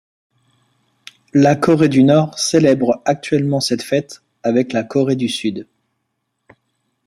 La Corée du Nord célèbre actuellement cette fête avec la Corée du Sud.